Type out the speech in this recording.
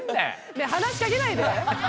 ねぇ話しかけないで。